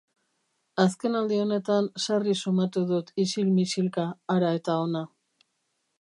Azkenaldi honetan sarri sumatu dut isil-misilka hara eta hona.